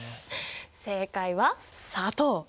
正解は砂糖。